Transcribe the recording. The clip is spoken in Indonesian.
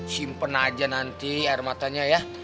simpen aja nanti air matanya ya